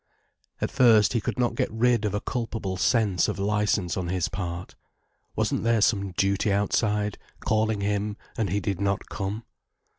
At first, he could not get rid of a culpable sense of licence on his part. Wasn't there some duty outside, calling him and he did not come?